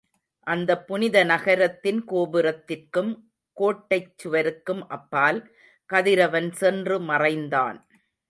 அந்தப் புனித நகரத்தின் கோபுரத்திற்கும் கோட்டைச் சுவருக்கும் அப்பால் கதிரவன் சென்று மறைந்தான்.